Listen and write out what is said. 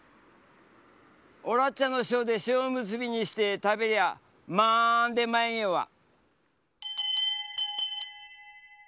おらっちゃの塩で塩むすびにしてたべりゃまんでまいわ。